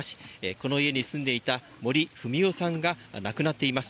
この家に住んでいた森文代さんが亡くなっています。